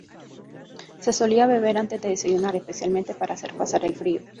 Se solía beber antes de desayunar, especialmente para hacer pasar el frío.